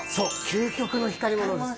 究極の光り物です。